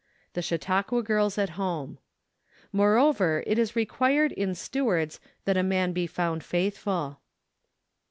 The Chautauqua Girls at Horae. " Moreover it is required in stewards , that a man be found faithful."